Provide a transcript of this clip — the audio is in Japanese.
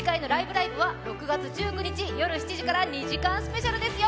ライブ！」は６月１９日夜１９時から２時間スペシャルですよ。